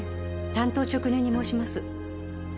単刀直入に申します。